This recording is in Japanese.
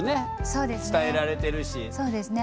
そうですね